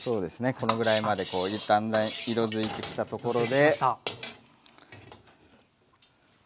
このぐらいまでだんだん色づいてきたところで。